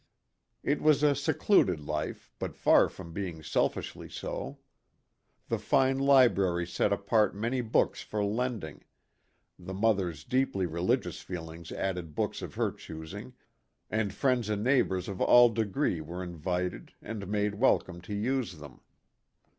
It was a secluded life but far from being selfishly so. The fine library set apart many books for lending the mother's deeply reli gious feelings added books of her choosing, and friends and neighbors of all degree were invited and made welcome to use them.